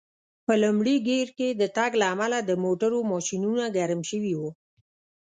په لومړي ګېر کې د تګ له امله د موټرو ماشینونه ګرم شوي و.